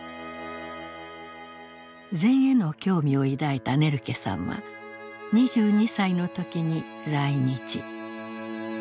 禅への興味を抱いたネルケさんは２２歳の時に来日。